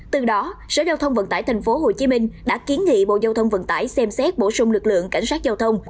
từ đó sở giao thông vận tải tp hcm đã kiến nghị bộ giao thông vận tải xem xét bổ sung lực lượng cảnh sát giao thông